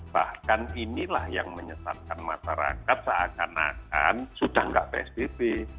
bahkan inilah yang menyesatkan masyarakat seakan akan sudah tidak psbb